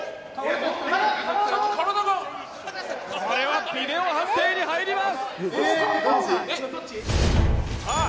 これはビデオ判定に入りますさあ